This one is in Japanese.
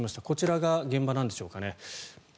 こちらが現場なんでしょうかね。